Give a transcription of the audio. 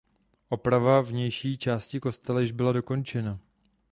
Oprava vnější části kostela již byla dokončena.